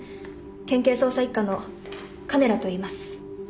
県警捜査一課の鐘羅といいます。